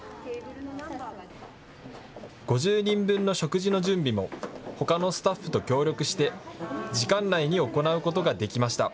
５０人分の食事の準備もほかのスタッフと協力して時間内に行うことができました。